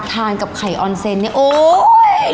ทานกับไข่ออนเซนก์โอ้ย